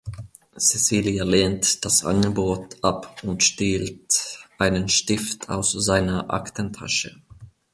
Cecilia lehnt das Angebot ab und stiehlt einen Stift aus seiner Aktentasche.